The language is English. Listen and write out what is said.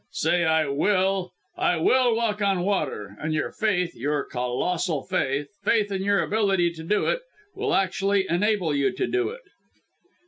Say 'I will! I will walk on the water!' and your faith your colossal faith faith in your ability to do it will actually enable you to do it."